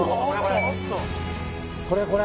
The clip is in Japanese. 「これこれ！」